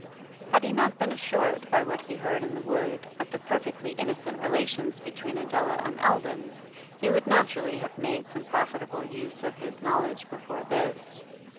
Had he not been assured by what he heard in the wood of the perfectly innocent relations between Adela and Eldon, he would naturally have made some profitable use of his knowledge before this.